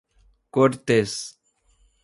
Cortês